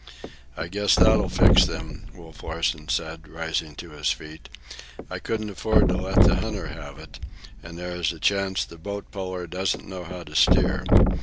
"I guess that'll fix them," Wolf Larsen said, rising to his feet. "I couldn't afford to let the hunter have it, and there is a chance the boat puller doesn't know how to steer.